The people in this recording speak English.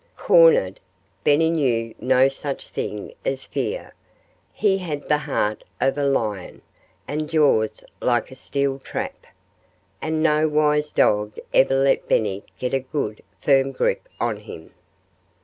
Cornered, Benny knew no such thing as fear. He had the heart of a lion, and jaws like a steel trap. And no wise dog ever let Benny get a good, firm grip on him.